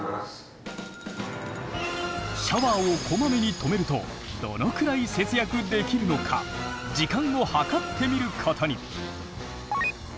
シャワーをこまめに止めるとどのくらい節約できるのか時間を計ってみることに。